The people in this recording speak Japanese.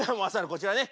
こちらね。